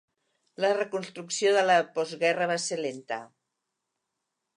La reconstrucció de la postguerra va ser lenta.